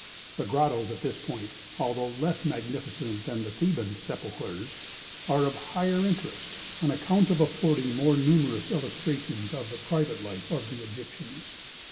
The grottoes at this point, although less magnificent than the Theban sepulchres, are of higher interest, on account of affording more numerous illustrations of the private life of the Egyptians.